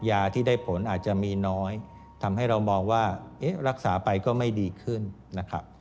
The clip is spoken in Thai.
ยาที่ได้ผลอาจจะมีน้อยทำให้เรามองว่ารักษาไปก็ไม่ดีขึ้นนะครับ